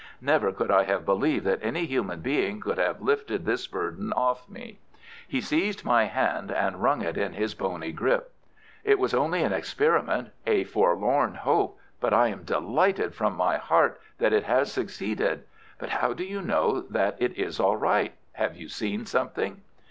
Never could I have believed that any human being could have lifted this burden off me." He seized my hand and wrung it in his bony grip. "It was only an experiment—a forlorn hope—but I am delighted from my heart that it has succeeded. But how do you know that it is all right? Have you seen something?"